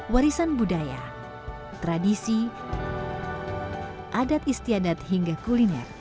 warisan budaya tradisi adat istiadat hingga kuliner